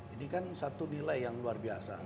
ini kan satu nilai yang luar biasa